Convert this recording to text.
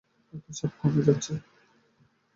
রক্তচাপ কমে যাচ্ছে।